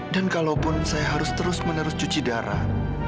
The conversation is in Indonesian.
dan kalaupun saya harus terus menerus cuci darah